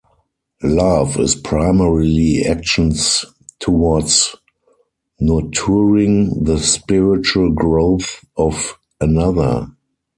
Love is primarily actions towards nurturing the spiritual growth of another.